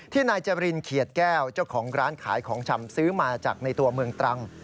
นายจรินเขียดแก้วเจ้าของร้านขายของชำซื้อมาจากในตัวเมืองตรัง